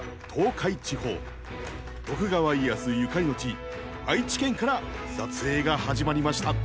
徳川家康ゆかりの地愛知県から撮影が始まりました。